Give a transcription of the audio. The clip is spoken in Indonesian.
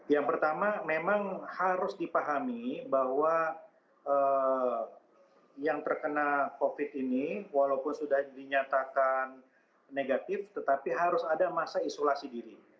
yang pertama memang harus dipahami bahwa yang terkena covid ini walaupun sudah dinyatakan negatif tetapi harus ada masa isolasi diri